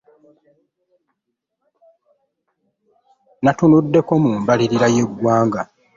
Nnatunuddeko mu mbalirira y’eggwanga